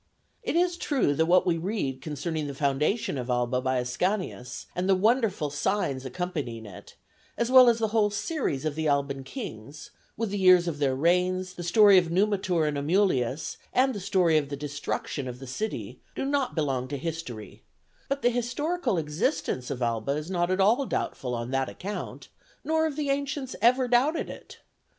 It is true that what we read concerning the foundation of Alba by Ascanius, and the wonderful signs accompanying it, as well as the whole series of the Alban kings, with the years of their reigns, the story of Numitor and Amulius and the story of the destruction of the city, do not belong to history; but the historical existence of Alba is not at all doubtful on that account, nor have the ancients ever doubted it.